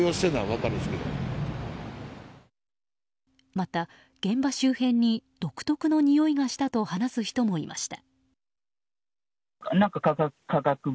また、現場周辺に独特のにおいがしたという人もいました。